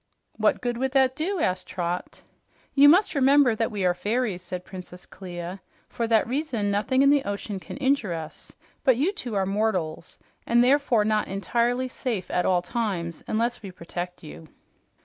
"What good would that do?" asked Trot. "You must remember that we are fairies," said Princess Clia. "For that reason, nothing in the ocean can injure us, but you two are mortals and therefore not entirely safe at all times unless we protect you."